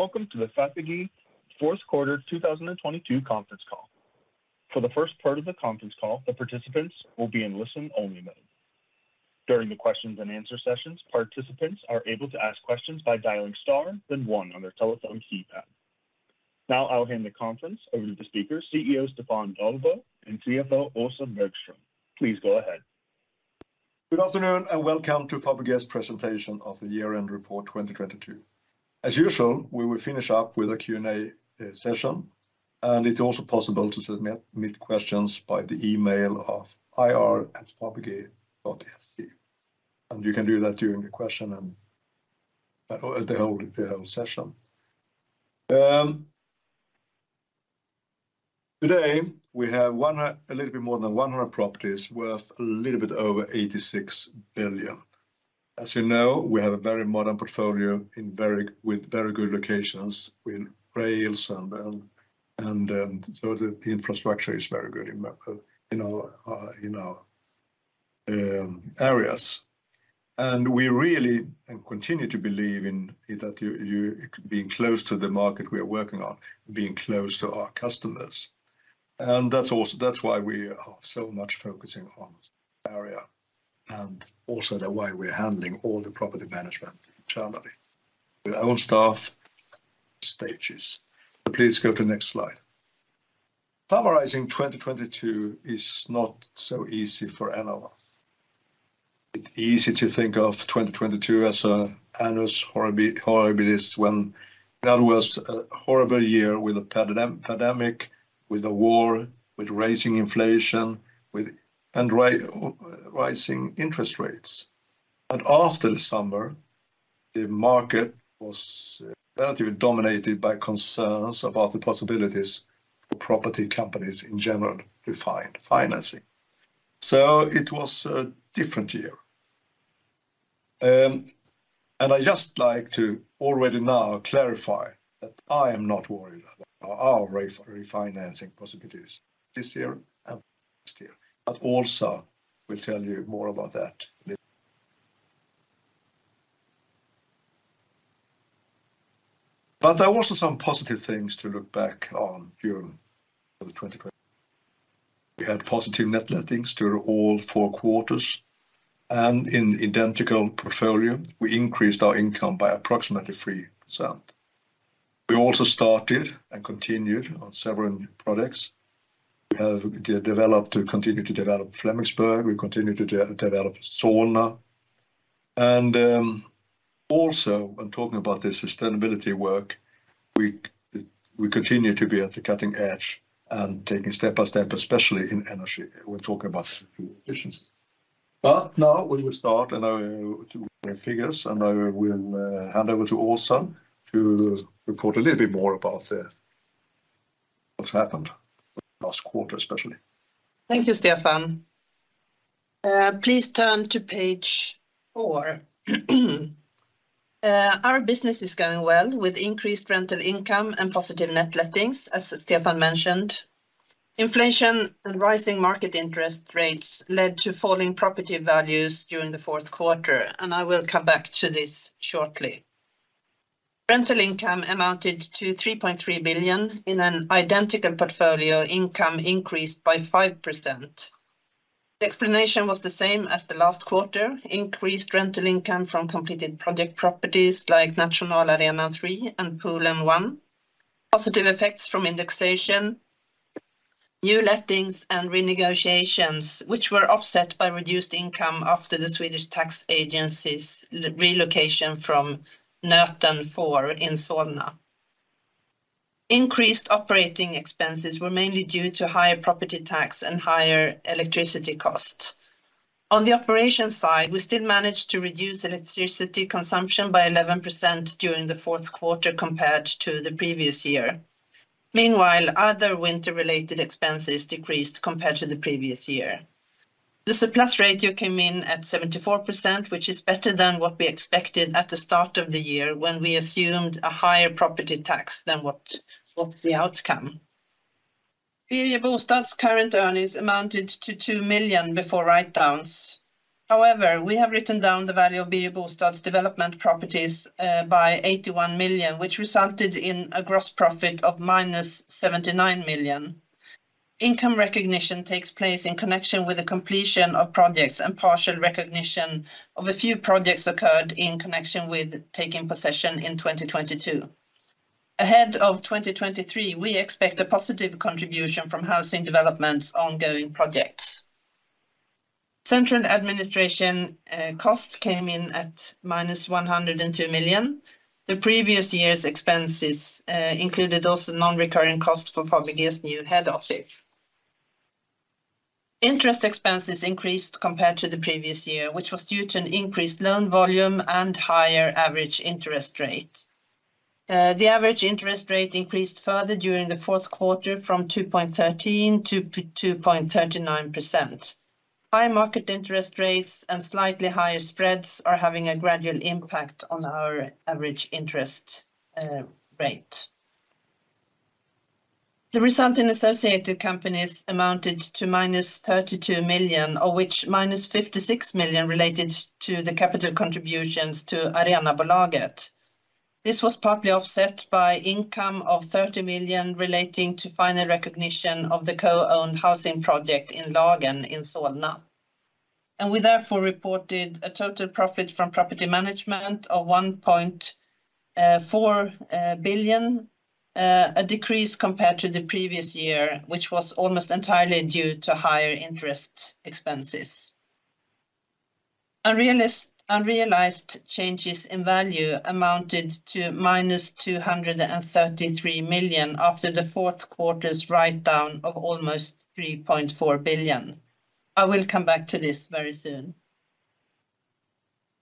Welcome to the Fabege fourth quarter 2022 conference call. For the first part of the conference call, the participants will be in listen-only mode. During the questions and answer sessions, participants are able to ask questions by dialing star then one on their telephone keypad. I'll hand the conference over to the speakers, CEO Stefan Dahlbo and CFO Åsa Bergström. Please go ahead. Good afternoon, welcome to Fabege's presentation of the year-end report 2022. As usual, we will finish up with a Q&A session, and it's also possible to submit mid-questions by the email of ir@fabege.se. You can do that during the question and the whole session. Today, we have a little bit more than 100 properties worth a little bit over 86 billion. As you know, we have a very modern portfolio with very good locations with rails and the infrastructure is very good in our areas. We really, and continue to believe in that being close to the market we are working on, being close to our customers. That's why we are so much focusing on this area, and also the way we're handling all the property management internally. With our own staff stages. Please go to next slide. Summarizing 2022 is not so easy for anyone. It's easy to think of 2022 as a annus horribilis when that was a horrible year with a pandemic, with a war, with rising inflation, and rising interest rates. After the summer, the market was relatively dominated by concerns about the possibilities for property companies in general to find financing. It was a different year. I'd just like to already now clarify that I am not worried about our refinancing possibilities this year and next year. Also will tell you more about that later. There are also some positive things to look back on during the 2020. We had positive net lettings through all four quarters, and in identical portfolio, we increased our income by approximately 3%. We also started and continued on several new products. We have de-developed and continue to develop Flemingsberg, we continue to de-develop Solna. Also, when talking about the sustainability work, we continue to be at the cutting edge and taking step by step, especially in energy. We'll talk about efficiency. But now we will start, and I will do the figures, and I will hand over to Åsa to report a little bit more about what's happened last quarter, especially. Thank you, Stefan. Please turn to page four. Our business is going well, with increased rental income and positive net lettings, as Stefan mentioned. Inflation and rising market interest rates led to falling property values during the fourth quarter, and I will come back to this shortly. Rental income amounted to 3.3 billion. In an identical portfolio, income increased by 5%. The explanation was the same as the last quarter, increased rental income from completed project properties like Nationalarenan 3 and Poolen 1. Positive effects from indexation, new lettings, and renegotiations, which were offset by reduced income after the Swedish Tax Agency's relocation from Nöten 4 in Solna. Increased operating expenses were mainly due to higher property tax and higher electricity costs. On the operations side, we still managed to reduce electricity consumption by 11% during the fourth quarter compared to the previous year. Meanwhile, other winter-related expenses decreased compared to the previous year. The surplus ratio came in at 74%, which is better than what we expected at the start of the year when we assumed a higher property tax than what was the outcome. Birger Bostad's current earnings amounted to 2 million before write-downs. We have written down the value of Birger Bostad's development properties by 81 million, which resulted in a gross profit of minus 79 million. Income recognition takes place in connection with the completion of projects, and partial recognition of a few projects occurred in connection with taking possession in 2022. Ahead of 2023, we expect a positive contribution from housing development's ongoing projects. Central administration costs came in at minus 102 million. The previous year's expenses included also non-recurring costs for Fabege's new head office. Interest expenses increased compared to the previous year, which was due to an increased loan volume and higher average interest rate. The average interest rate increased further during the fourth quarter from 2.13% to 2.39%. High market interest rates and slightly higher spreads are having a gradual impact on our average interest rate. The result in associated companies amounted to minus 32 million, of which minus 56 million related to the capital contributions to Arenabolaget. This was partly offset by income of 30 million relating to final recognition of the co-owned housing project in Lågen in Solna. We therefore reported a total profit from property management of 1.4 billion, a decrease compared to the previous year, which was almost entirely due to higher interest expenses. Unrealized changes in value amounted to minus 233 million after the fourth quarter's write-down of almost 3.4 billion. I will come back to this very soon.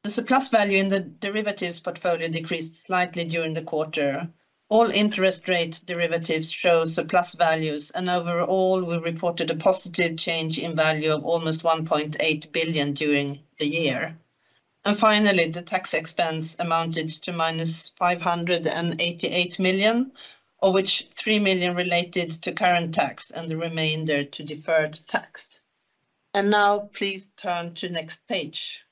The surplus value in the derivatives portfolio decreased slightly during the quarter. All interest rate derivatives show surplus values, and overall, we reported a positive change in value of almost 1.8 billion during the year. Finally, the tax expense amounted to minus 588 million, of which 3 million related to current tax and the remainder to deferred tax. Now please turn to next page.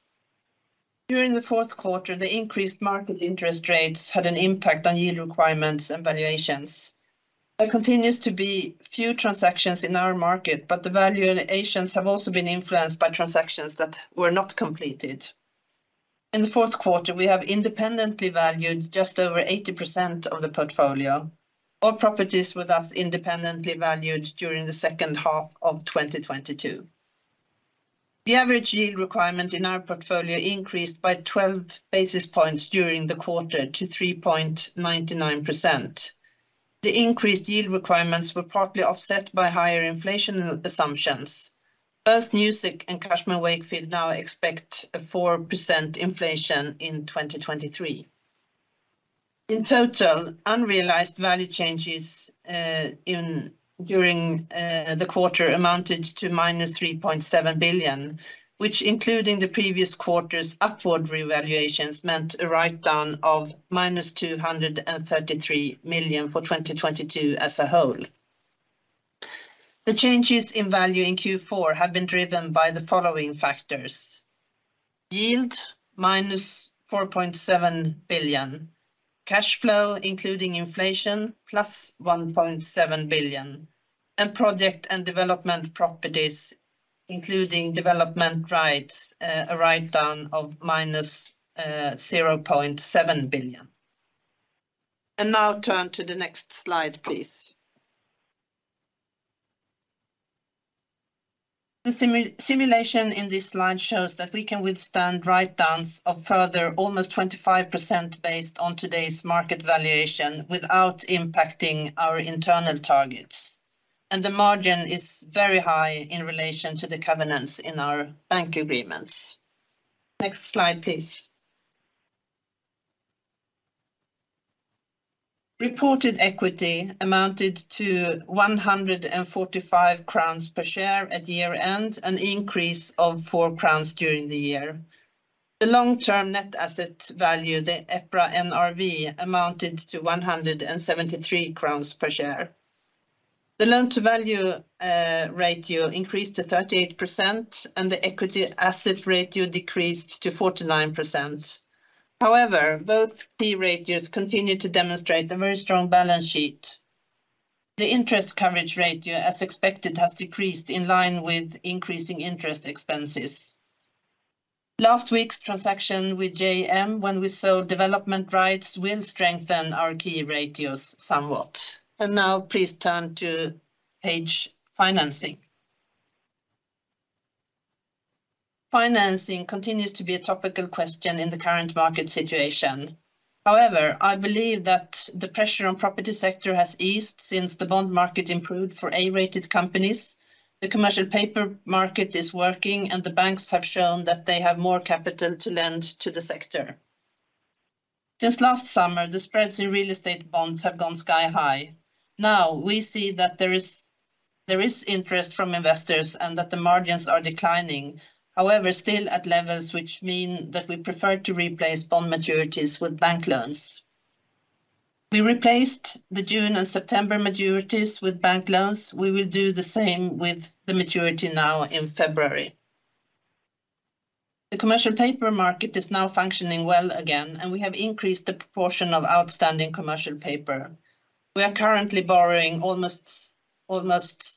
During the fourth quarter, the increased market interest rates had an impact on yield requirements and valuations. There continues to be few transactions in our market, but the valuations have also been influenced by transactions that were not completed. In the fourth quarter, we have independently valued just over 80% of the portfolio. All properties with us independently valued during the second half of 2022. The average yield requirement in our portfolio increased by 12 basis points during the quarter to 3.99%. The increased yield requirements were partly offset by higher inflation assumptions. Green Street and Cushman & Wakefield now expect a 4% inflation in 2023. In total, unrealized value changes during the quarter amounted to minus 3.7 billion, which including the previous quarter's upward revaluations, meant a write-down of minus 233 million for 2022 as a whole. The changes in value in Q4 have been driven by the following factors: yield, -4.7 billion, cash flow, including inflation, +1.7 billion, and project and development properties, including development rights, a write-down of -0.7 billion. Now turn to the next slide, please. The simulation in this slide shows that we can withstand write-downs of further almost 25% based on today's market valuation without impacting our internal targets. The margin is very high in relation to the covenants in our bank agreements. Next slide, please. Reported equity amounted to 145 crowns per share at year-end, an increase of 4 crowns during the year. The long-term net asset value, the EPRA NRV, amounted to 173 crowns per share. The loan-to-value ratio increased to 38%. The equity/assets ratio decreased to 49%. However, both key ratios continue to demonstrate a very strong balance sheet. The interest coverage ratio, as expected, has decreased in line with increasing interest expenses. Last week's transaction with JM, when we sold development rights, will strengthen our key ratios somewhat. Now please turn to page Financing. Financing continues to be a topical question in the current market situation. However, I believe that the pressure on property sector has eased since the bond market improved for A-rated companies. The commercial paper market is working, and the banks have shown that they have more capital to lend to the sector. Just last summer, the spreads in real estate bonds have gone sky-high. Now we see that there is interest from investors and that the margins are declining, however, still at levels which mean that we prefer to replace bond maturities with bank loans. We replaced the June and September maturities with bank loans. We will do the same with the maturity now in February. The commercial paper market is now functioning well again, and we have increased the proportion of outstanding commercial paper. We are currently borrowing almost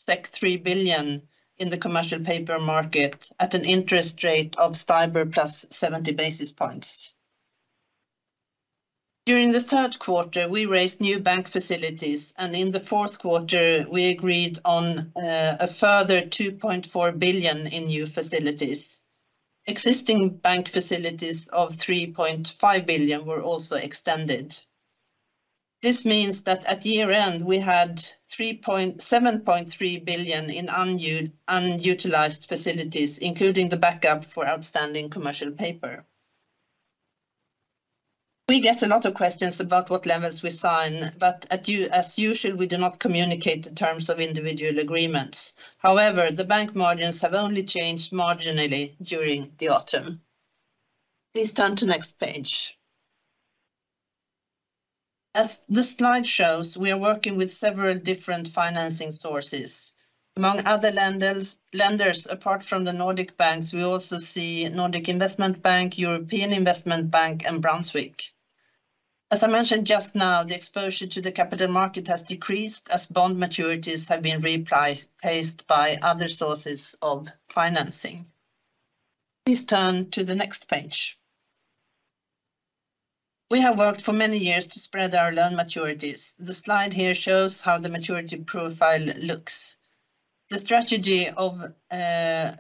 3 billion in the commercial paper market at an interest rate of STIBOR plus 70 basis points. During the third quarter, we raised new bank facilities, and in the fourth quarter, we agreed on a further 2.4 billion in new facilities. Existing bank facilities of 3.5 billion were also extended. This means that at year-end, we had 7.3 billion in unutilized facilities, including the backup for outstanding commercial paper. We get a lot of questions about what levels we sign, but as usual, we do not communicate the terms of individual agreements. However, the bank margins have only changed marginally during the autumn. Please turn to the next page. As this slide shows, we are working with several different financing sources. Among other lenders apart from the Nordic banks, we also see Nordic Investment Bank, European Investment Bank, and Brunswick. As I mentioned just now, the exposure to the capital market has decreased as bond maturities have been replaced by other sources of financing. Please turn to the next page. We have worked for many years to spread our loan maturities. The slide here shows how the maturity profile looks. The strategy of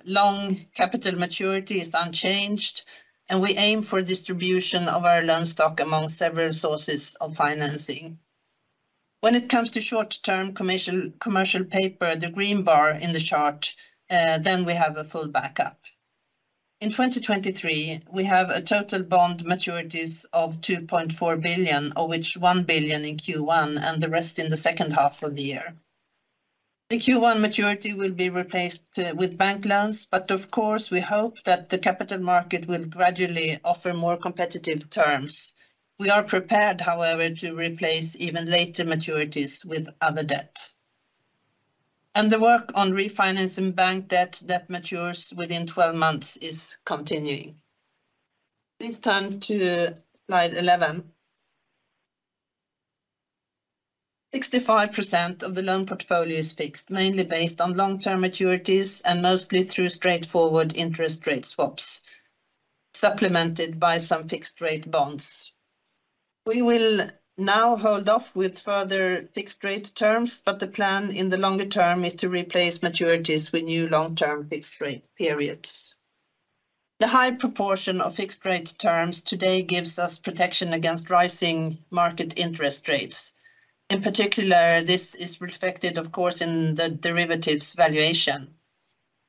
long capital maturity is unchanged, and we aim for distribution of our loan stock among several sources of financing. When it comes to short-term commercial paper, the green bar in the chart, then we have a full backup. In 2023, we have a total bond maturities of 2.4 billion, of which 1 billion in Q1 and the rest in the second half of the year. The Q1 maturity will be replaced with bank loans, of course we hope that the capital market will gradually offer more competitive terms. The work on refinancing bank debt that matures within 12 months is continuing. Please turn to slide 11. 65% of the loan portfolio is fixed, mainly based on long-term maturities and mostly through straightforward interest rate swaps, supplemented by some fixed rate bonds. We will now hold off with further fixed rate terms, the plan in the longer term is to replace maturities with new long-term fixed rate periods. The high proportion of fixed rate terms today gives us protection against rising market interest rates. In particular, this is reflected of course in the derivatives valuation.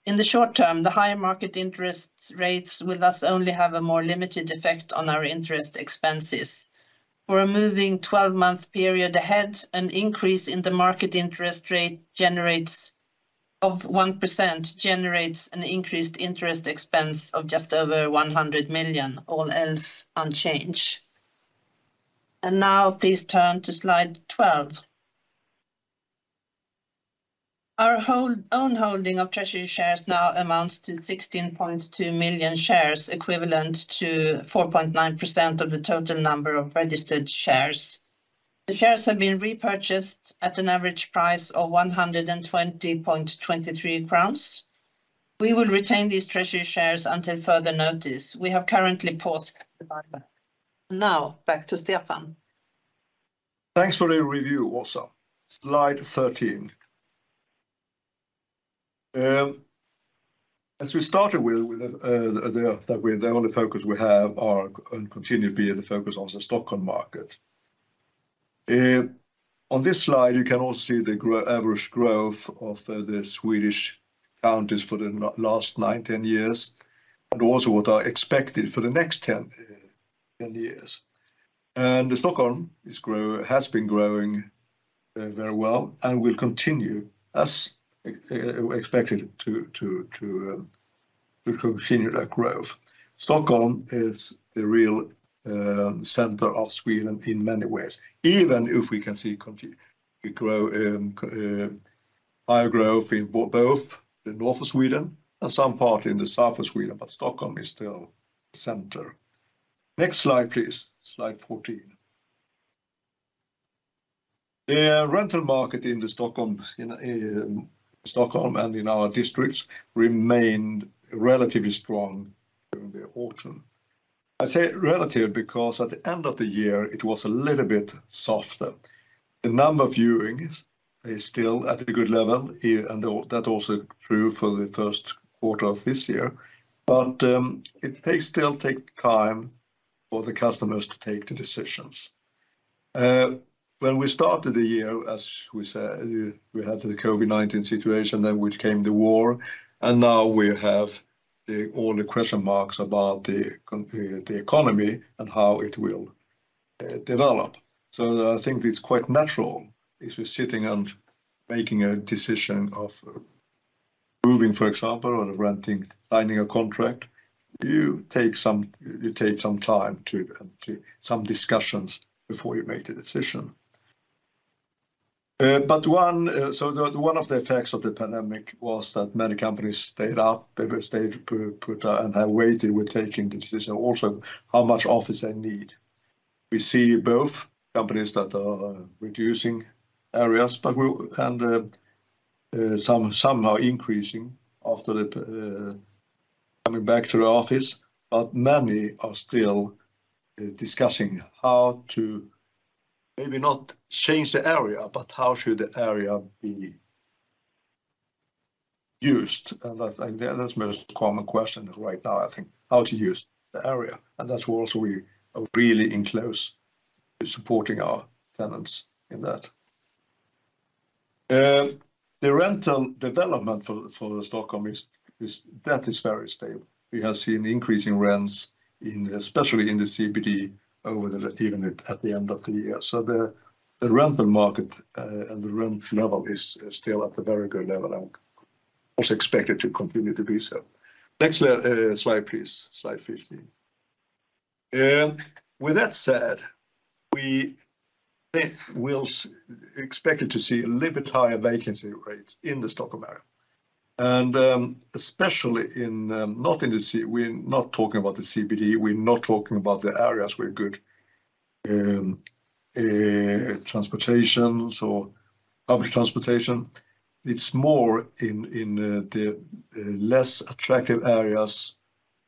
In the short term, the higher market interest rates will thus only have a more limited effect on our interest expenses. For a moving 12-month period ahead, an increase in the market interest rate of 1% generates an increased interest expense of just over 100 million, all else unchanged. Now please turn to slide 12. Our own holding of treasury shares now amounts to 16.2 million shares, equivalent to 4.9% of the total number of registered shares. The shares have been repurchased at an average price of 120.23 crowns. We will retain these treasury shares until further notice. We have currently paused the buyback. Now back to Stefan. Thanks for the review, Åsa. Slide 13. As we started with the only focus we have are and continue to be the focus on the Stockholm market. On this slide, you can also see the average growth of the Swedish counties for the last 9, 10 years, but also what are expected for the next 10 years. The Stockholm has been growing very well and will continue as expected to continue that growth. Stockholm is the real center of Sweden in many ways, even if we can see country grow higher growth in both the north of Sweden, and some part in the south of Sweden. Stockholm is still center. Next slide, please. Slide 14. The rental market in Stockholm and in our districts remained relatively strong during the autumn. I say relative because at the end of the year it was a little bit softer. The number of viewings is still at a good leve,l and that also true for the first quarter of this year. It may still take time for the customers to take the decisions. When we started the year, as we said, we had the COVID-19 situation then which came the war, and now we have all the question marks about the economy and how it will develop. I think it's quite natural if you're sitting, and making a decision of moving, for example, or renting, signing a contract, you take some time to some discussions before you make the decision. The one of the effects of the pandemic was that many companies stayed up. They stayed and have waited with taking decision, also how much office they need. We see both companies that are reducing areas, but we and somehow increasing after coming back to the office. Many are still discussing how to maybe not change the area, but how should the area be used. I think that's the most common question right now, I think, how to use the area. That's also we are really in close to supporting our tenants in that. T,he rental development for Stockholm is that is very stable. We have seen increasing rents in, especially in the CBD over the even at the end of the year. The rental market and the rent level is still at a very good level and also expected to continue to be so. Next slide, please. Slide 15. With that said, we think we'll expected to see a little bit higher vacancy rates in the Stockholm area. Especially in we're not talking about the CBD, we're not talking about the areas with good transportations or public transportation. It's more in the less attractive areas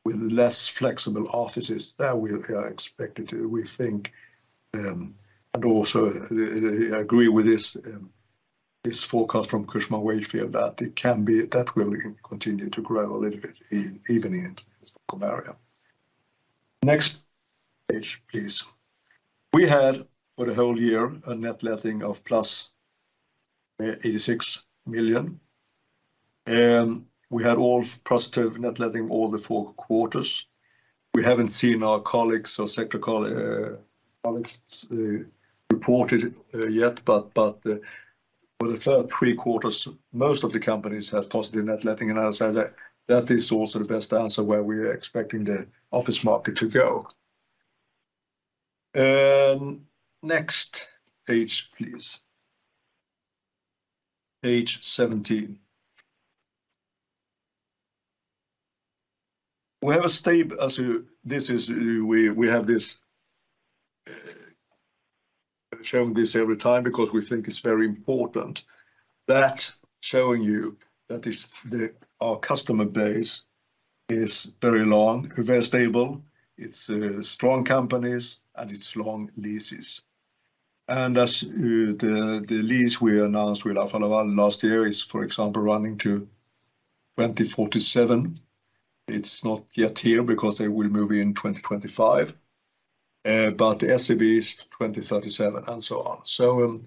with less flexible offices that we think and also agree with this forecast from Cushman & Wakefield that will continue to grow a little bit even in the Stockholm area. Next page, please. We had for the whole year a net letting of +86 million. We had all positive net letting all the four quarters. We haven't seen our sector colleagues reported yet, but for the three, quarters, most of the companies have positive net letting. I would say that that is also the best answer where we are expecting the office market to go. Next page, please. Page 17. This is, we have this showing this every time because we think it's very important that showing you that our customer base is very long, very stable, it's strong companies, and it's long leases. As the lease we announced with AFA Fastigheter last year is, for example, running to 2047. It's not yet here because they will move in 2025. The SCB is 2037, and so on.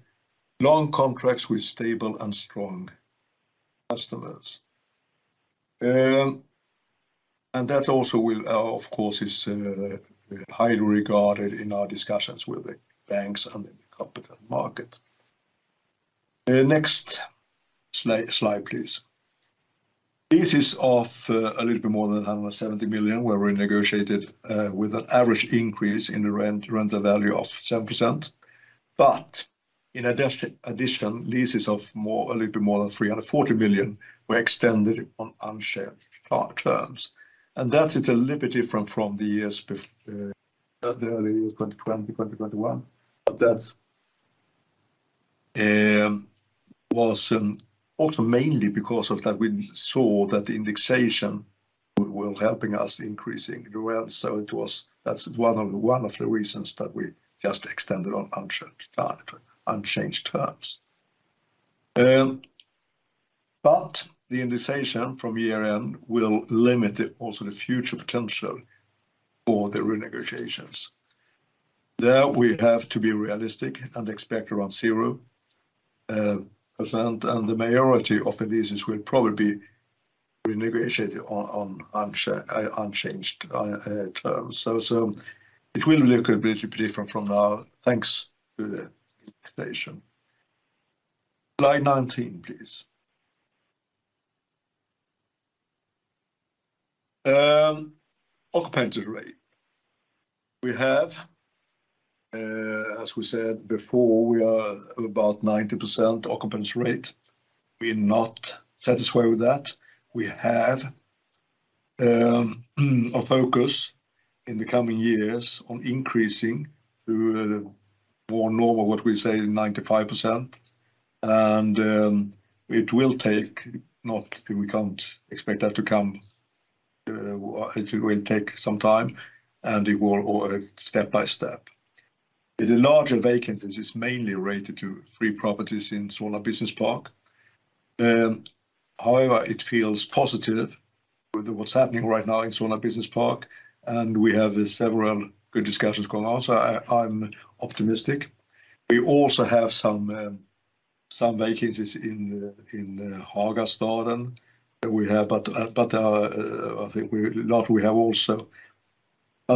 Long contracts with stable and strong customers. That also will, of course is, highly regarded in our discussions with the banks and the capital market. Next slide, please. This is of a little bit more than 170 million, where we negotiated with an average increase in the rent, rental value of 7%. In addition, leases of more, a little bit more than 340 million were extended on unchanged terms. That's a little bit different from the years, the early years, 2020, 2021. That was also mainly because of that we saw that the indexation was helping us increasing the rent. It was... That's one of the reasons that we just extended on unchanged terms. The indexation from year-end will limit it also the future potential for the renegotiations. There we have to be realistic and expect around 0%, and the majority of the leases will probably be renegotiated on unchanged terms. It will look a little bit different from now, thanks to the indexation. Slide 19, please. Occupancy rate. We have, as we said before, we are about 90% occupancy rate. We're not satisfied with that. We have a focus in the coming years on increasing to the more normal, what we say, 95%. It will take, we can't expect that to come, it will take some time, and it will order step by step. The larger vacancies is mainly related to three properties in Solna Business Park. However, it feels positive with what's happening right now in Solna Business Park, and we have several good discussions going on. I'm optimistic. We also have some vacancies in Hagastaden that we have. I think lot we have also.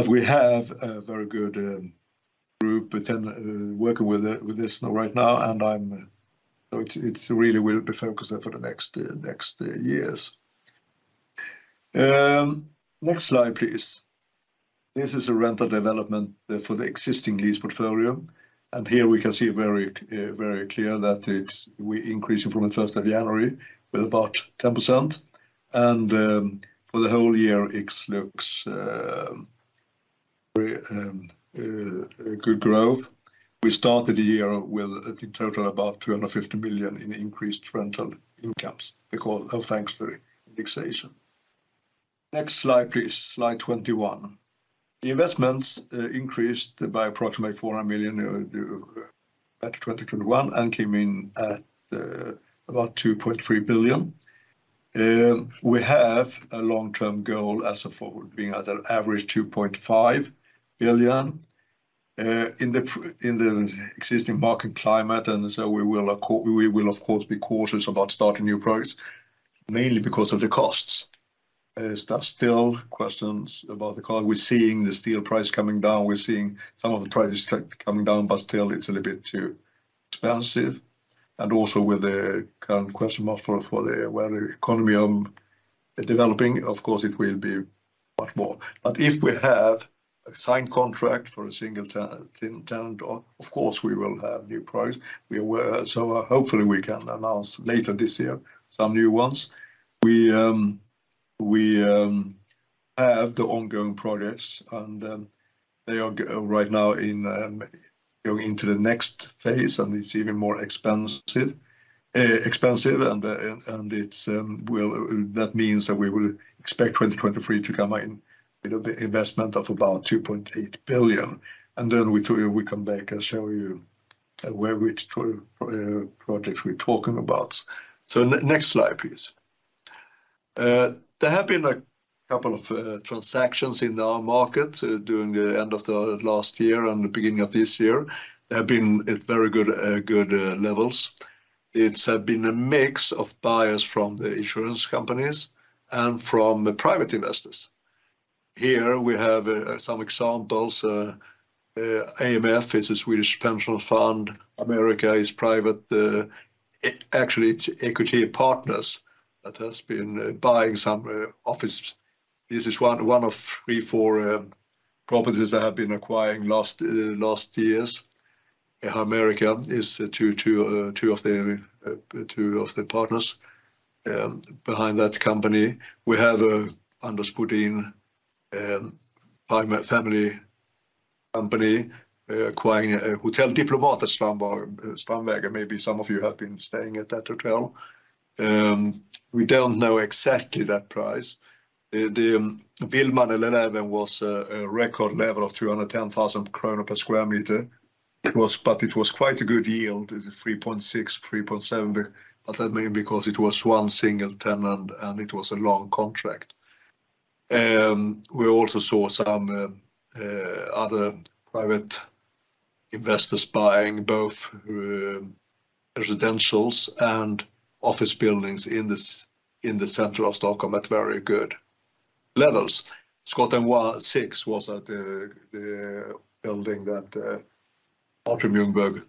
We have a very good group working with this now right now, and I'm. It's really will be focused there for the next years. Next slide, please. This is a rental development for the existing lease portfolio. Here we can see very clear that it's we increasing from the first of January with about 10%. For the whole year, it looks very a good growth. We started the year with a total about 250 million in increased rental incomes because of thanks to the indexation. Next slide, please. Slide 21. The investments increased by approximately 400 million at 2021 and came in at about 2.3 billion. We have a long-term goal as of forward being at an average 2.5 billion in the existing market climate, and so we will of course be cautious about starting new projects, mainly because of the costs. Is that still questions about the car. We're seeing the steel price coming down. We're seeing some of the prices coming down, but still it's a little bit too expensive. Also with the current question mark for the world economy developing, of course it will be much more. If we have a signed contract for a single tenant, of course, we will have new products. Hopefully we can announce later this year some new ones. We have the ongoing projects, and they are right now going into the next phase, and it's even more expensive. Well, that means that we will expect 2023 to come in with a investment of about 2.8 billion. We told you we come back and show you where which projects we're talking about. Next slide, please. There have been a couple of transactions in our market during the end of the last year and the beginning of this year. There have been at very good levels. It's been a mix of buyers from the insurance companies and from private investors. Here we have some examples. AMF is a Swedish pension fund. Alecta is private. Actually, it's equity partners that has been buying some office. This is one of three, four properties that have been acquiring last years. Alecta is two of their partners behind that company. We have under scrutiny, private family company acquiring a Hotel Diplomat at Strandvägen. Maybe some of you have been staying at that hotel. We don't know exactly that price. The Vildmannen 11 was a record level of 210,000 krona per square meter. It was quite a good yield, it was 3.6, 3.7. That mainly because it was one single tenant and it was a long contract. We also saw some other private investors buying both residentials and office buildings in the center of Stockholm at very good levels. Skotten 6 was at the building that Atrium Ljungberg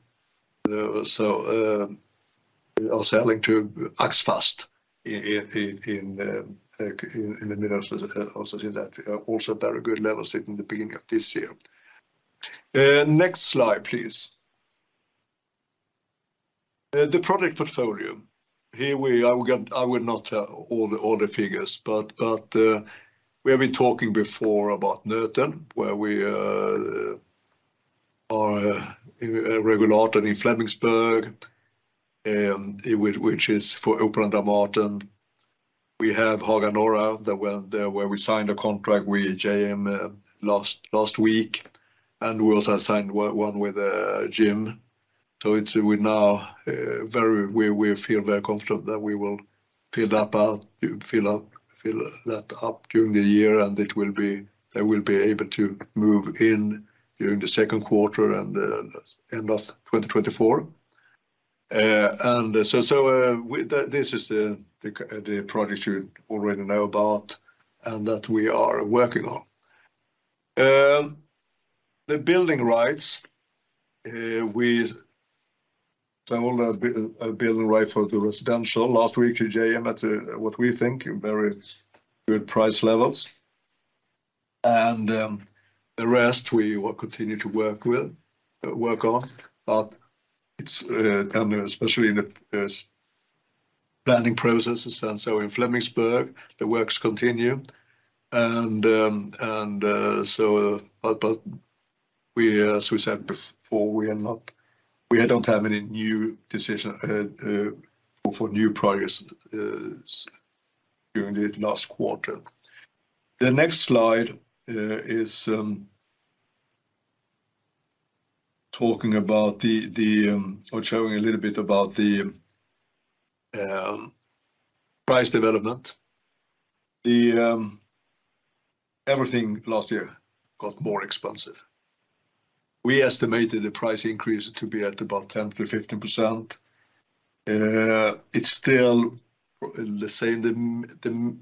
are selling to Axfast in the middle of also that also very good levels in the beginning of this year. Next slide, please. The product portfolio. Here we... I will not all the figures, but we have been talking before about Noden, where we are Regulus Lorten in Flemingsberg, which is for Operakällaren. We have Haga Norra, the where we signed a contract with JM last week, and we also have signed one with a gym. It's we feel very confident that we will fill that out, fill that up during the year, and they will be able to move in during the second quarter and end of 2024. This is the projects you already know about and that we are working on. The building rights, we sold a building right for the residential last week to JM at what we think very good price levels. The rest we will continue to work with, work on. It's and especially in the planning processes. In Flemingsberg, the works continue. We, as we said before, we don't have any new decision for new projects during the last quarter. The next slide is talking about the or showing a little bit about the price development. Everything last year got more expensive. We estimated the price increase to be at about 10%-15%. It's still the same.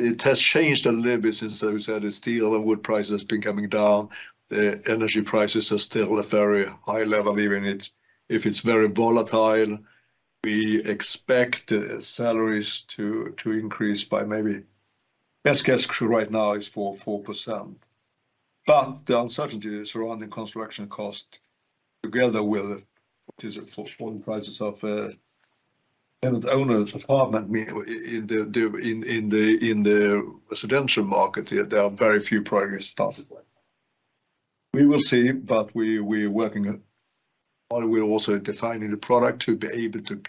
It has changed a little bit since then. We said the steel and wood price has been coming down. The energy prices are still at very high level, even if it's very volatile. We expect salaries to increase by maybe... Best guess right now is 4%. The uncertainty surrounding construction cost, together with the falling prices of tenant owners apartment in the residential market here, there are very few progress started. We will see, but we're working on. We're also defining the product to be able to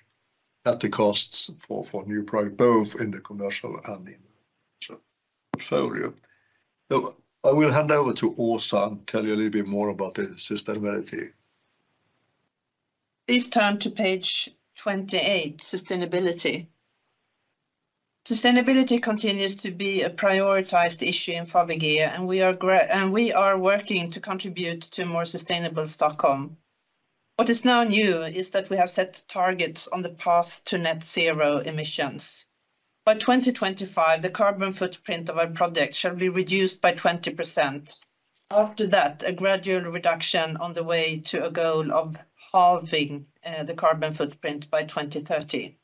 cut the costs for new product, both in the commercial and in the portfolio. I will hand over to Åsa and tell you a little bit more about the sustainability. Please turn to page 28, Sustainability. Sustainability continues to be a prioritized issue in Fabege. We are working to contribute to a more sustainable Stockholm. What is now new is that we have set targets on the path to net zero emissions. By 2025, the carbon footprint of our projects shall be reduced by 20%. After that, a gradual reduction on the way to a goal of halving the carbon footprint by 2030.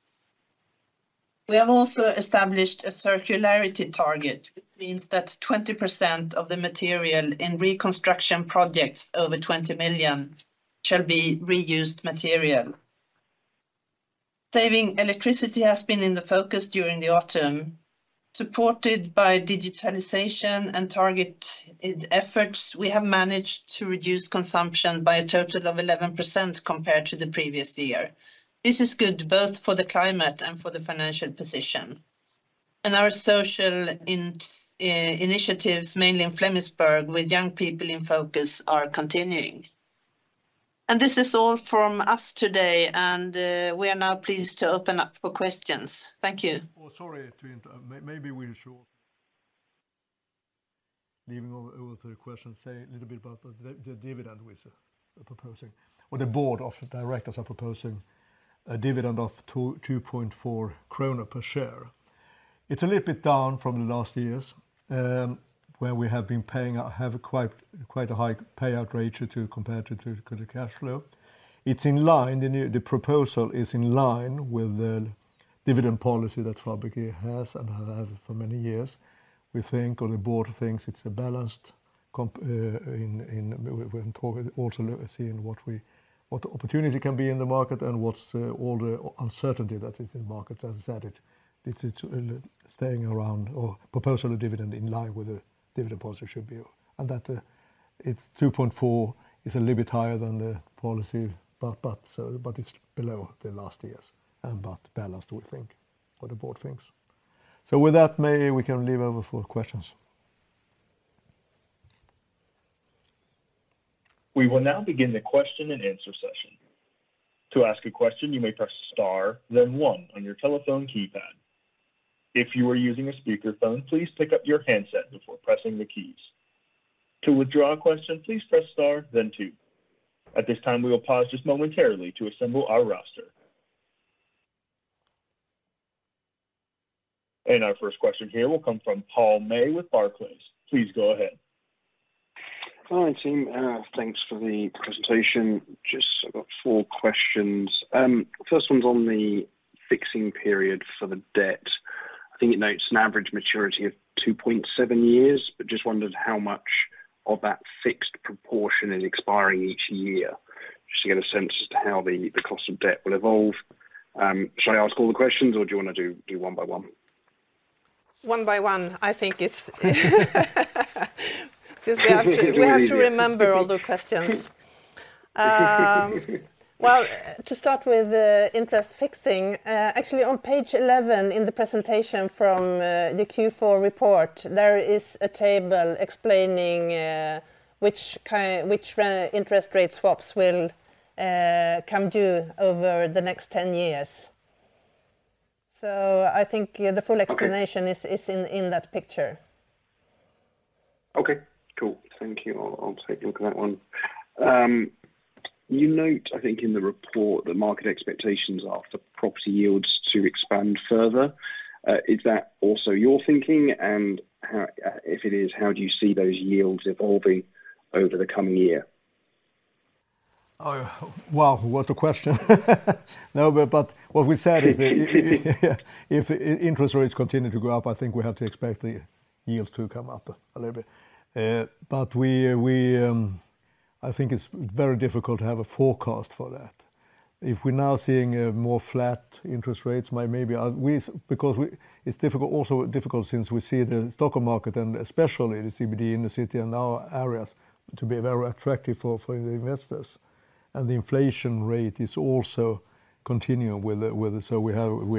We have also established a circularity target, which means that 20% of the material in reconstruction projects over 20 million shall be reused material. Saving electricity has been in the focus during the autumn. Supported by digitalization and target efforts, we have managed to reduce consumption by a total of 11% compared to the previous year. This is good both for the climate and for the financial position. Our social initiatives, mainly in Flemingsberg with young people in focus, are continuing. This is all from us today, and we are now pleased to open up for questions. Thank you. Oh, sorry to interrupt. Maybe we should, leaving over the questions, say a little bit about the dividend we're proposing. Well, the board of directors are proposing a dividend of 2.4 kronor per share. It's a little bit down from the last years, where we have acquired quite a high payout rate compared to the cash flow. It's in line, the proposal is in line with the dividend policy that Fabege has, and have had for many years. We think or the board thinks it's a balanced when talking also seeing what opportunity can be in the market and what's all the uncertainty that is in market. As I said, it's staying around our proposal of dividend in line with the dividend policy should be. It's 2.4 is a little bit higher than the policy, but it's below the last years and balanced we think or the board thinks. With that, maybe we can leave over for questions. We will now begin the question and answer session. To ask a question, you may press star then one on your telephone keypad. If you are using a speakerphone, please pick up your handset before pressing the keys. To withdraw a question, please press star then two. At this time, we will pause just momentarily to assemble our roster. Our first question here will come from Paul May with Barclays. Please go ahead. Hi, team. Thanks for the presentation. Just I've got four questions. First one's on the fixing period for the debt. I think it notes an average maturity of 2.7 years, but just wondered how much of that fixed proportion is expiring each year. Just to get a sense as to how the cost of debt will evolve. Shall I ask all the questions or do you wanna do one by one? One by one. We have to remember all the questions. Well, to start with the interest fixing, actually, on page 11 in the presentation from the Q4 report, there is a table explaining which interest rate swaps will come due over the next 10 years. I think the full explanation. Okay. is in that picture. Okay, cool. Thank you. I'll take a look at that one. You note, I think in the report that market expectations are for property yields to expand further. Is that also your thinking? How, if it is, how do you see those yields evolving over the coming year? Oh, wow, what a question. What we said is that if interest rates continue to go up, I think we have to expect the yields to come up a little bit. I think it's very difficult to have a forecast for that. If we're now seeing a more flat interest rates, might maybe are because it's difficult, also difficult since we see the Stockholm market and especially the CBD in the city and our areas to be very attractive for the investors. The inflation rate is also continuing. We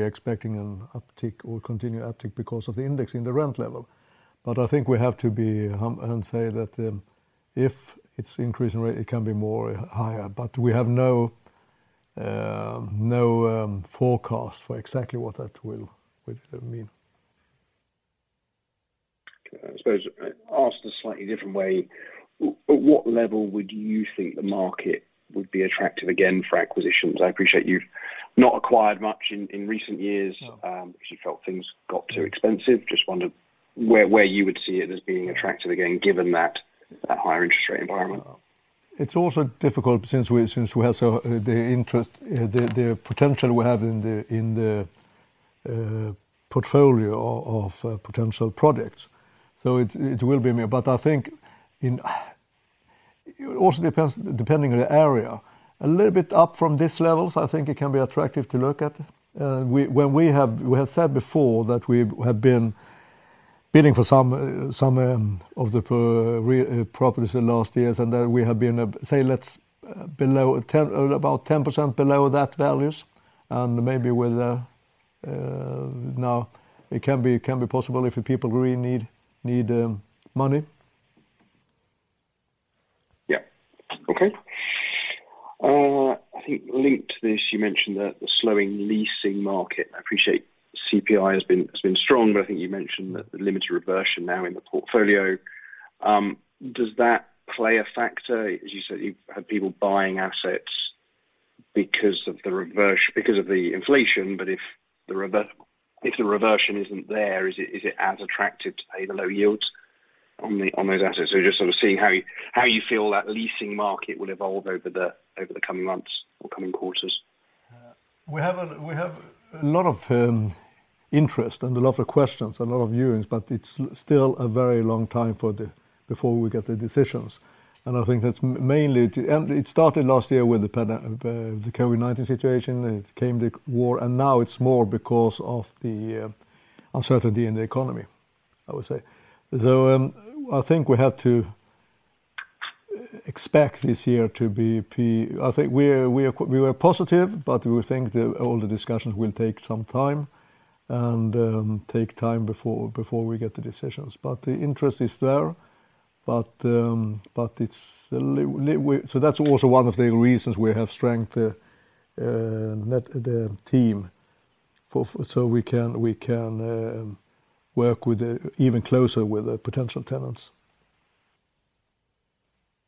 are expecting an uptick or continued uptick because of the index in the rent level. I think we have to be hum-- and say that, if it's increasing rate, it can be more higher. We have no forecast for exactly what that will mean. Okay. I suppose asked a slightly different way, what level would you think the market would be attractive again for acquisitions? I appreciate you've not acquired much in recent years. No. Because you felt things got too expensive. Just wondered where you would see it as being attractive again, given that higher interest rate environment? It's also difficult since we have so the interest, the potential we have in the portfolio of potential products. It will be me. I think in... It also depends, depending on the area. A little bit up from this levels, I think it can be attractive to look at. When we have said before that we have been bidding for some properties in the last years, that we have been, say, let's, about 10% below that values. Maybe with... Now it can be possible if people really need money. Yeah. Okay. I think linked to this, you mentioned the slowing leasing market. I appreciate CPI has been strong. I think you mentioned that the limited reversion now in the portfolio, does that play a factor? As you said, you've had people buying assets because of the inflation. If the reversion isn't there, is it as attractive to pay the low yields on those assets? Just sort of seeing how you feel that leasing market will evolve over the coming months or coming quarters. We have a lot of interest and a lot of questions, a lot of viewings, but it's still a very long time before we get the decisions. It started last year with the COVID-19 situation, and it came the war, and now it's more because of the uncertainty in the economy, I would say. I think we were positive, but we would think the, all the discussions will take some time and take time before we get the decisions. The interest is there, but it's So that's also one of the reasons we have strength, the team for, so we can work with the, even closer with the potential tenants.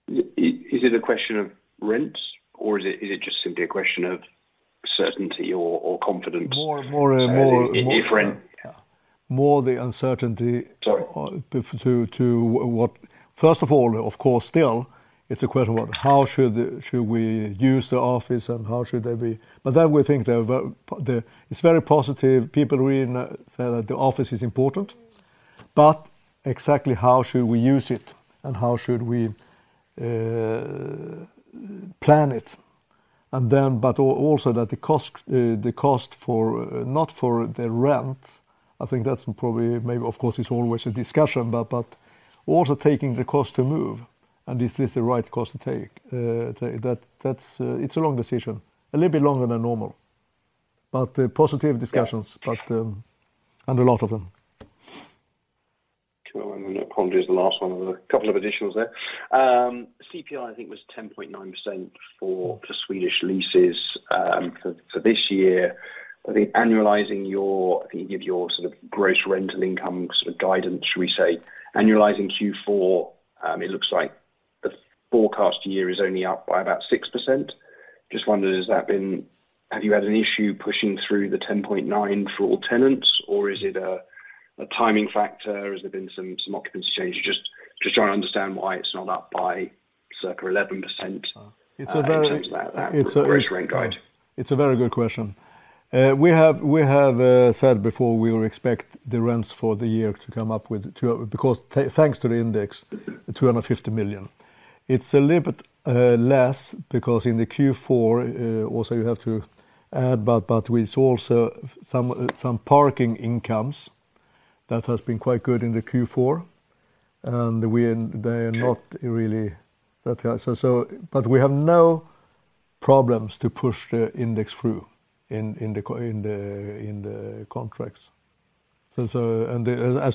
Is it a question of rent, or is it just simply a question of certainty or confidence? More. Different. Yeah. More the uncertainty- Sorry. To what. First of all, of course, still, it's a question about how should we use the office and how should they be? We think it's very positive. People really say that the office is important, but exactly how should we use it, and how should we plan it? Then, also that the cost, the cost for, not for the rent, I think that's probably maybe. Of course, it's always a discussion, but also taking the cost to move. Is this the right cost to take? That's a long decision, a little bit longer than normal. Positive discussions. Yeah. and a lot of them. Cool. That probably is the last one. There were a couple of additionals there. CPI, I think, was 10.9% for the Swedish leases for this year. I think annualizing your, I think you give your sort of gross rental income sort of guidance, should we say. Annualizing Q4, it looks like the forecast year is only up by about 6%. Just wondered, Have you had an issue pushing through the 10.9 for all tenants, or is it a timing factor? Has there been some occupancy change? Just trying to understand why it's not up by circa 11%... It's a very- In terms of that gross rent guide. It's a very good question. We have said before we will expect the rents for the year to come up because thanks to the index, 250 million. It's a little bit less because in the Q4 also you have to add, with also some parking incomes that has been quite good in the Q4. They are not really that. We have no problems to push the index through in the contracts. As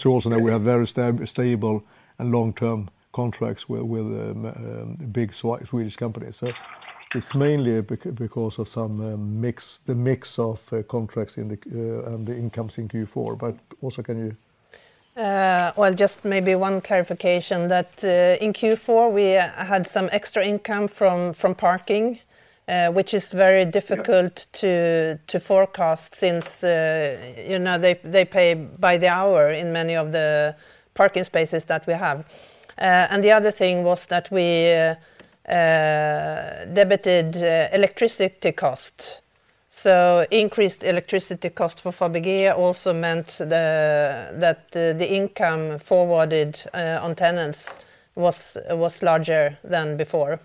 you also know, we have very stable and long-term contracts with big Swedish companies. It's mainly because of some mix, the mix of contracts and the incomes in Q4. Also can you? Well, just maybe one clarification that, in Q4, we had some extra income from parking, which is very difficult. Yeah. To forecast since, you know, they pay by the hour in many of the parking spaces that we have. The other thing was that we debited electricity cost. Increased electricity cost for Fabege also meant that the income forwarded on tenants was larger than before.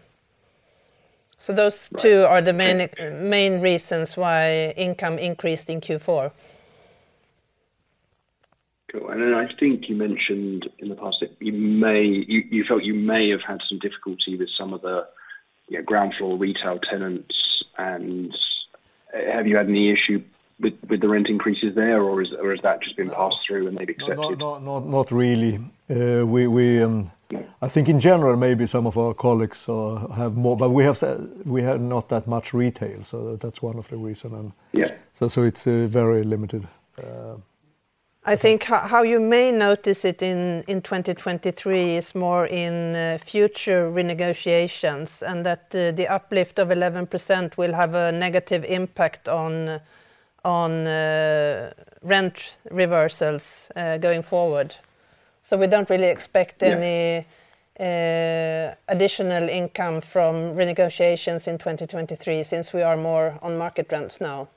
Those two- Right. Are the main reasons why income increased in Q4. Cool. I think you mentioned in the past that you felt you may have had some difficulty with some of the, you know, ground floor retail tenants. Have you had any issue with the rent increases there, or has that just been passed through and they've accepted? No, not, not really. We Yeah. I think in general, maybe some of our colleagues have more, but we have said we have not that much retail, so that's one of the reason. Yeah. It's very limited. I think how you may notice it in 2023 is more in future renegotiations. That the uplift of 11% will have a negative impact on rent reversals going forward. We don't really expect. Yeah. Additional income from renegotiations in 2023 since we are more on market rents now.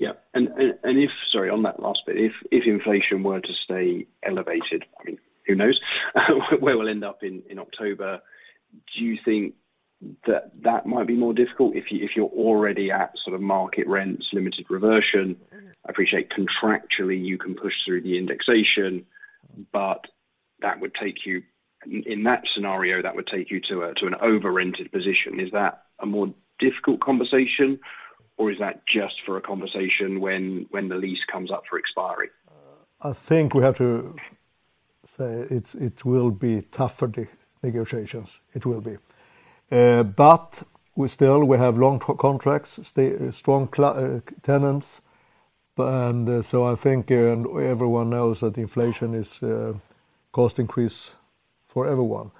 Yeah. If, sorry, on that last bit, if inflation were to stay elevated, I mean, who knows where we'll end up in October? Do you think that might be more difficult if you're already at sort of market rents, limited reversion? I appreciate contractually you can push through the indexation, but that would take you. In that scenario, that would take you to an over-rented position. Is that a more difficult conversation, or is that just for a conversation when the lease comes up for expiry? I think we have to say it's, it will be tough for the negotiations. It will be. We still, we have long contracts, strong tenants. I think, everyone knows that inflation is cost increase for everyone.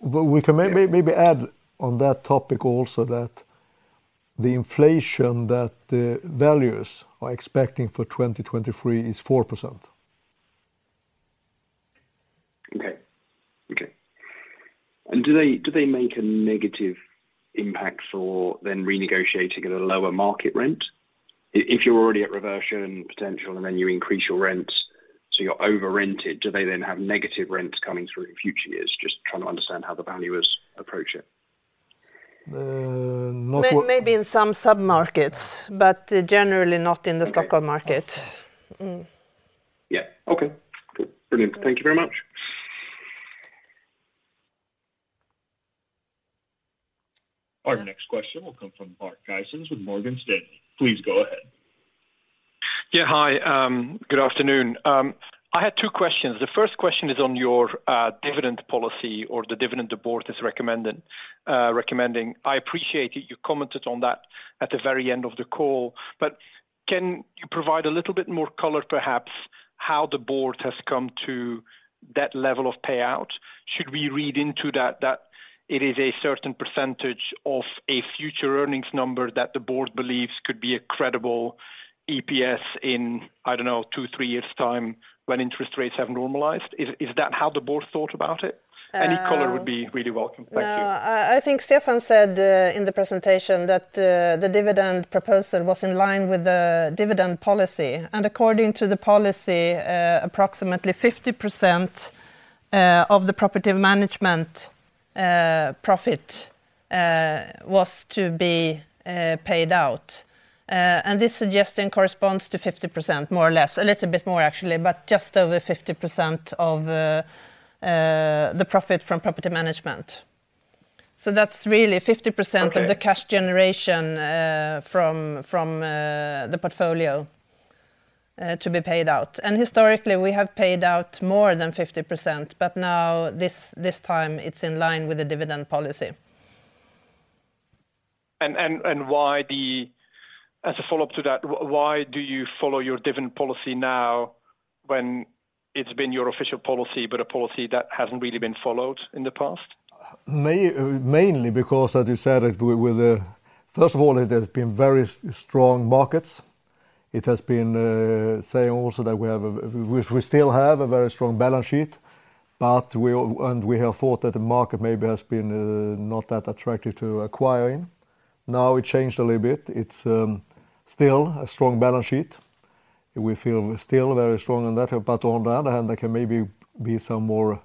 We can maybe add on that topic also that the inflation that the values are expecting for 2023 is 4%. Okay. Do they make a negative impact for then renegotiating at a lower market rent? If you're already at reversion potential, and then you increase your rents, so you're over-rented, do they then have negative rents coming through in future years? Just trying to understand how the valuers approach it. Uh, not- Maybe in some sub-markets, but generally not in the Stockholm market. Okay. Yeah. Okay. Cool. Brilliant. Thank you very much. Our next question will come from Mark Gissens with Morgan Stanley. Please go ahead. Yeah. Hi, good afternoon. I had two questions. The first question is on your dividend policy or the dividend the board has recommended recommending. I appreciate that you commented on that at the very end of the call. Can you provide a little bit more color perhaps how the board has come to that level of payout? Should we read into that that it is a certain percentage of a future earnings number that the board believes could be a credible EPS in, I don't know, two, three years' time when interest rates have normalized? Is that how the board thought about it? Uh- Any color would be really welcome. Thank you. No. I think Stefan said in the presentation that the dividend proposal was in line with the dividend policy. According to the policy, approximately 50% of the property management profit was to be paid out. This suggestion corresponds to 50% more or less. A little bit more actually, but just over 50% of the profit from property management. That's really 50%-. Okay of the cash generation from the portfolio to be paid out. Historically, we have paid out more than 50%. Now this time it's in line with the dividend policy. Why, as a follow-up to that, why do you follow your dividend policy now when it's been your official policy, but a policy that hasn't really been followed in the past? mainly because, as you said, it with a... First of all, it has been very strong markets. It has been, say also that we have a, we still have a very strong balance sheet. We, and we have thought that the market maybe has been not that attractive to acquiring. Now it changed a little bit. It's still a strong balance sheet. We feel we're still very strong in that. On the other hand, there can maybe be some more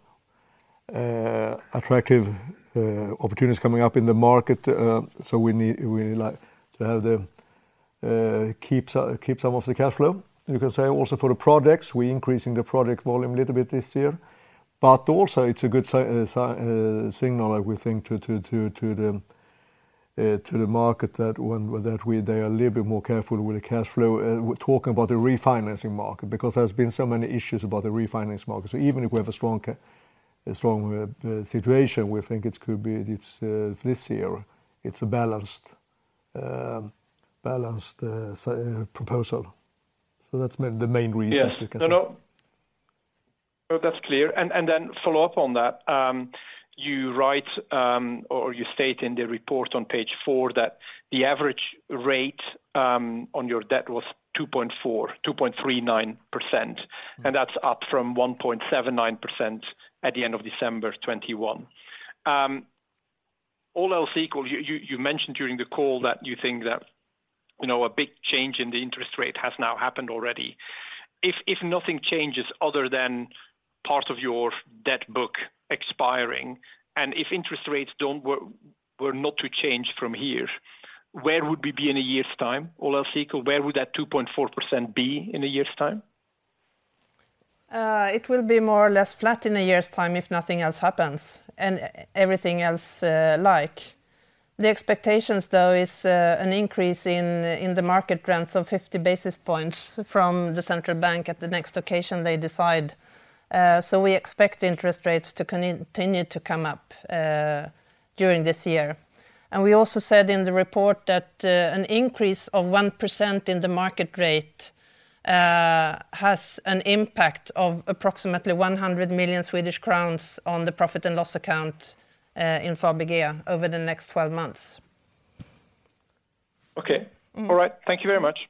attractive opportunities coming up in the market. We need, we like to have the keep some of the cash flow. You can say also for the projects, we're increasing the project volume a little bit this year. Also it's a good signal we think to the market that when, that we, they are a little bit more careful with the cash flow. We're talking about the refinancing market because there's been so many issues about the refinance market. Even if we have a strong situation, we think it could be this year, it's a balanced proposal. That's the main reasons you can say. Yeah. No, no. No, that's clear. Then follow up on that, you write, or you state in the report on page 4 that the average rate on your debt was 2.4, 2.39%, and that's up from 1.79% at the end of December 2021. All else equal, you mentioned during the call that you think that, you know, a big change in the interest rate has now happened already. If nothing changes other than part of your debt book expiring, and if interest rates were not to change from here, where would we be in a year's time, all else equal? Where would that 2.4% be in a year's time? It will be more or less flat in a year's time if nothing else happens and everything else, like. The expectations, though, is an increase in the market rents of 50 basis points from the central bank at the next occasion they decide. We expect interest rates to continue to come up during this year. We also said in the report that an increase of 1% in the market rate has an impact of approximately 100 million Swedish crowns on the profit and loss account in Fabege over the next 12 months. Okay. Mm. All right. Thank you very much.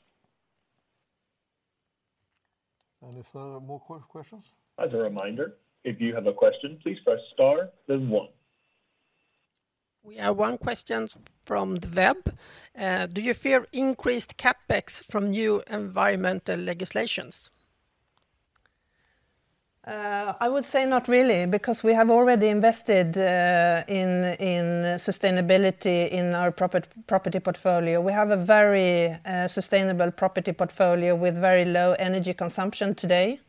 Any further more questions? As a reminder, if you have a question, please press star then one. We have 1 question from the web. Do you fear increased CapEx from new environmental legislations? I would say not really because we have already invested in sustainability in our property portfolio. We have a very sustainable property portfolio with very low energy consumption today.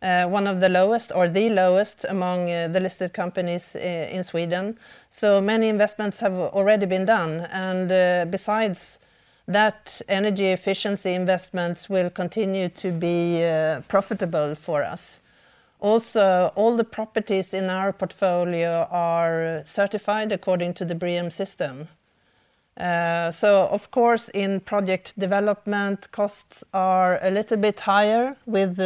One of the lowest or the lowest among the listed companies in Sweden. Many investments have already been done. Besides that, energy efficiency investments will continue to be profitable for us. Also, all the properties in our portfolio are certified according to the BREEAM system. Of course, in project development, costs are a little bit higher with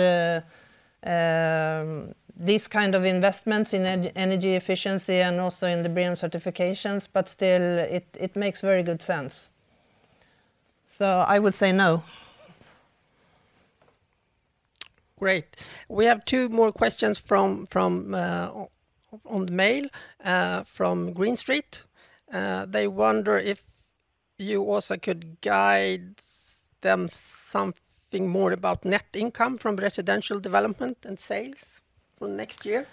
these kind of investments in energy efficiency and also in the BREEAM certifications, but still it makes very good sense. I would say no. Great. We have two more questions from on the mail from Green Street. They wonder if you also could guide them something more about net income from residential development and sales for next year.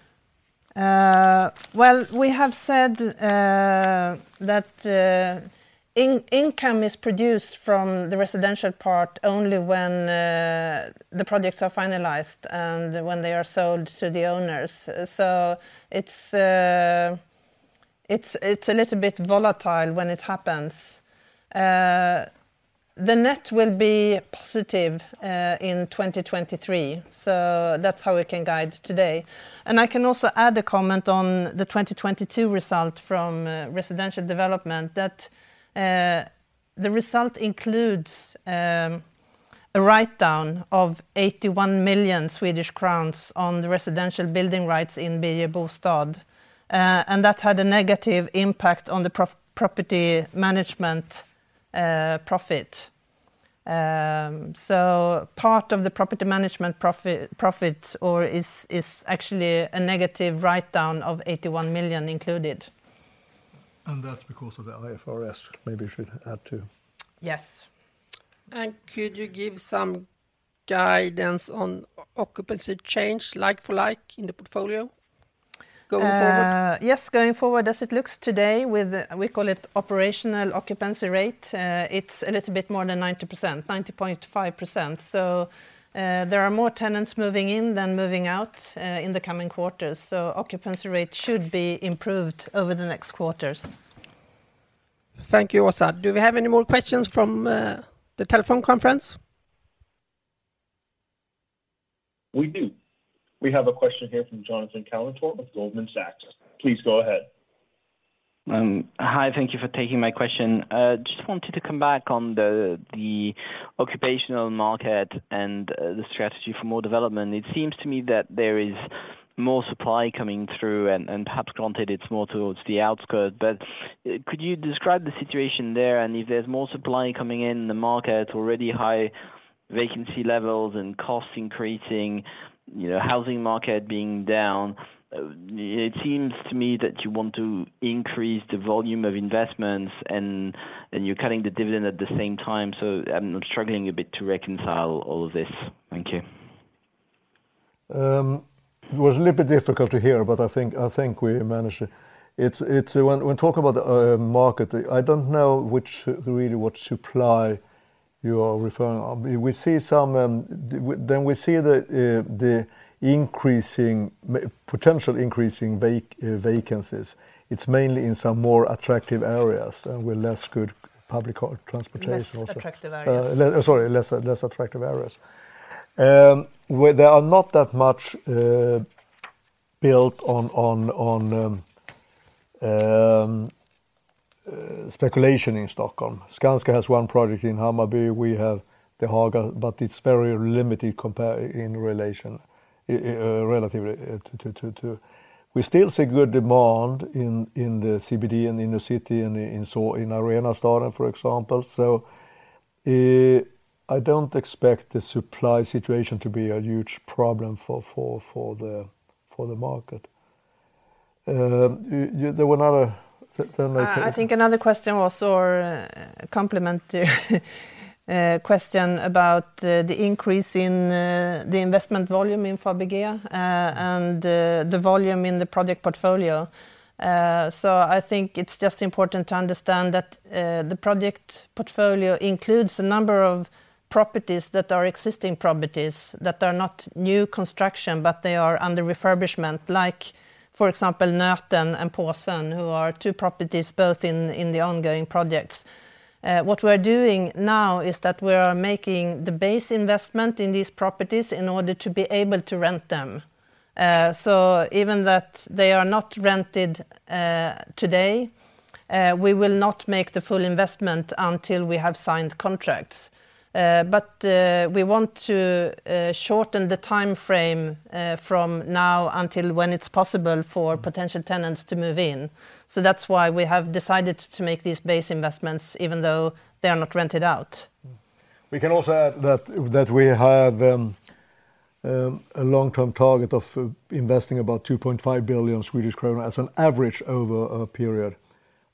Well, we have said that income is produced from the residential part only when the projects are finalized and when they are sold to the owners. It's a little bit volatile when it happens. The net will be positive in 2023, so that's how we can guide today. I can also add a comment on the 2022 result from residential development that the result includes a write-down of 81 million Swedish crowns on the residential building rights in Birger Bostad. That had a negative impact on the property management profit. Part of the property management profit or is actually a negative write-down of 81 million included. That's because of the IFRS maybe we should add too. Yes. Could you give some guidance on occupancy change like for like in the portfolio going forward? Yes, going forward, as it looks today with, we call it operational occupancy rate, it's a little bit more than 90%. 90.5%. There are more tenants moving in than moving out in the coming quarters. Occupancy rate should be improved over the next quarters. Thank you. Do we have any more questions from the telephone conference? We do. We have a question here from Jonathan Kownator of Goldman Sachs. Please go ahead. Hi. Thank you for taking my questio,n. Just wanted to come back on the occupational market, and the strategy for more development. It seems to me that there is more supply coming through and perhaps granted it's more towards the outskirt. Could you describe the situation there? If there's more supply coming in the market, already high vacancy levels and costs increasing, you know, housing market being down, it seems to me that you want to increase the volume of investments and you're cutting the dividend at the same time. I'm struggling a bit to reconcile all of this. Thank you. It was a little bit difficult to hear, but I think, I think we managed it. It's When we talk about the market, I don't know which really what supply you are referring. We see some, then we see the increasing potential increasing vacancies. It's mainly in some more attractive areas with less good public transportation. Less attractive areas. sorry, less attractive areas. where there are not that much built on speculation in Stockholm. Skanska has one project in Hammarby. We have the Haga. it's very limited in relation relative to. We still see good demand in the CBD and in the city and in Arenastaden, for example. I don't expect the supply situation to be a huge problem for the market. there were another. I think another question was or complementary question about the increase in the investment volume in Fabege and the volume in the project portfolio. I think it's just important to understand that the project portfolio includes a number of properties that are existing properties that are not new construction, but they are under refurbishment like, for example, Nöten and Påsen who are two properties both in the ongoing projects. What we're doing now is that we are making the base investment in these properties in order to be able to rent them. Even that they are not rented today, we will not make the full investment until we have signed contracts. We want to shorten the time frame from now until when it's possible for potential tenants to move in. That's why we have decided to make these base investments even though they are not rented out. We can also add that we have a long-term target of investing about 2.5 billion Swedish kronor as an average over a period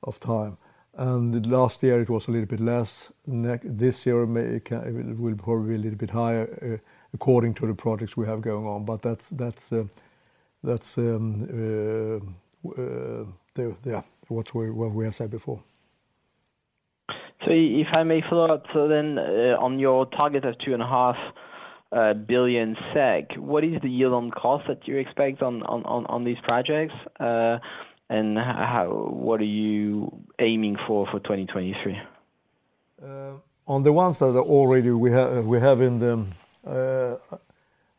of time. Last year it was a little bit less. This year, it will probably be a little bit higher according to the projects we have going on. That's what we have said before. If I may follow up, on your target of 2.5 billion SEK, what is the year on cost that you expect on these projects? And what are you aiming for for 2023? On the ones that are already we have in them, I don't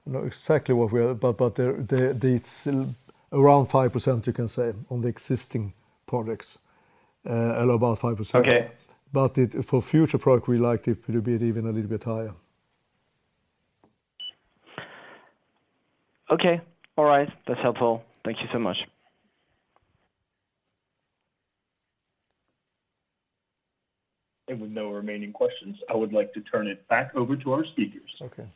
know exactly what we are, but they are around 5% you can say on the existing projects. About 5%. Okay. For future product, we like it to be even a little bit higher. Okay. All right. That's helpful. Thank you so much. With no remaining questions, I would like to turn it back over to our speakers. Okay.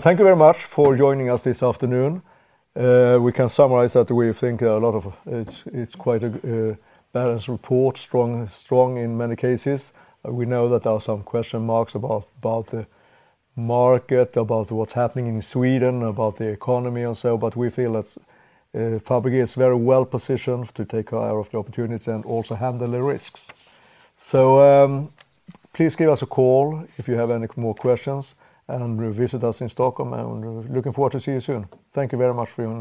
Thank you very much for joining us this afternoon. We can summarize that we think a lot of it's quite a balanced report, strong in many cases. We know that there are some question marks about the market, about what's happening in Sweden, about the economy also. We feel that Fabege is very well-positioned to take care of the opportunities, and also handle the risks. Please give us a call if you have any more questions and visit us in Stockholm, and looking forward to see you soon. Thank you very much for your.